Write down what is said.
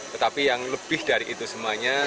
tetapi yang lebih dari itu semuanya